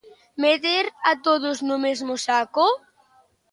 Meter a todos no mesmo saco?